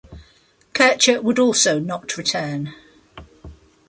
Kircher would also not return.